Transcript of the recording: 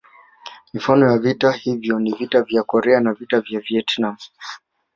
Mifano ya vita hivyo ni Vita ya Korea na Vita ya Vietnam